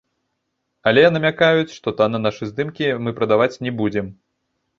Але намякаюць, што танна нашы здымкі мы прадаваць не будзем.